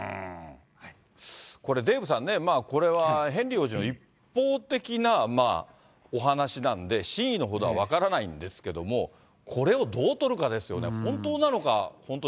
これ、デーブさんね、これはヘンリー王子の一方的なお話なんで、真偽の程は分からないんですけれども、これをどう取るかですよね、これは